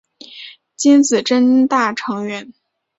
金子真大成员。